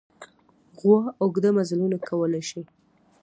غوا اوږده مزلونه کولی شي.